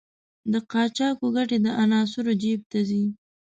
د قاچاقو ګټې د عناصرو جېب ته ځي.